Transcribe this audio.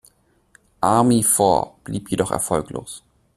Army vor, blieb jedoch erfolglos.